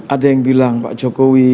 ada yang bilang pak jokowi